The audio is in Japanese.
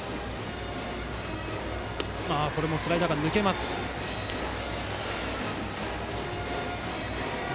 これもスライダーが抜けました。